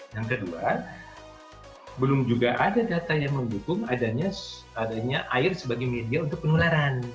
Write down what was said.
yang kedua belum juga ada data yang mendukung adanya air sebagai media untuk penularan